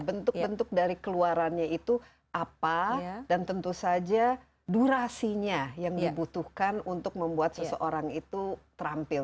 bentuk bentuk dari keluarannya itu apa dan tentu saja durasinya yang dibutuhkan untuk membuat seseorang itu terampil